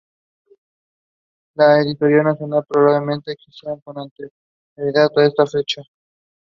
La Editora Nacional probablemente existiera con anterioridad a esta fecha.